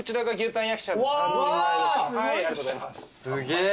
すげえ。